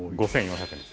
５４００円！